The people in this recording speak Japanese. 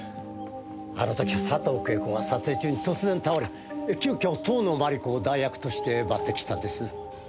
あの時は佐藤景子が撮影中に突然倒れ急遽遠野麻理子を代役として抜擢したんです。